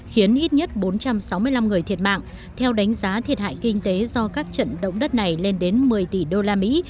khiến ít nhất bốn trăm sáu mươi năm người thiệt mạng theo đánh giá thiệt hại kinh tế do các trận động đất này lên đến một mươi tỷ đô la mỹ